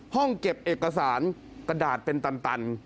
ห้องเก็บเอกสารกระดาษเป็นตัน